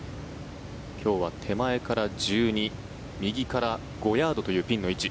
今日は手前から１２右から５ヤードというピンの位置。